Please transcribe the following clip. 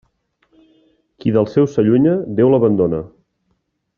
Qui dels seus s'allunya, Déu l'abandona.